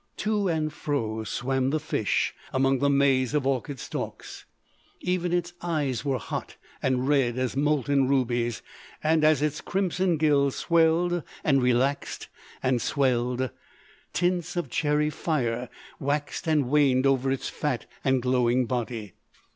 To and fro swam the fish among the maze of orchid stalks. Even its eyes were hot and red as molten rubies; and as its crimson gills swelled and relaxed and swelled, tints of cherry fire waxed and waned over its fat and glowing body.